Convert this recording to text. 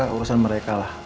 urusan mereka lah